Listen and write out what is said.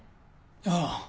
ああ。